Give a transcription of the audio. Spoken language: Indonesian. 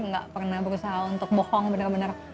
nggak pernah berusaha untuk bohong benar benar